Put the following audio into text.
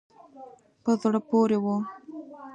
په زړه پورې وه.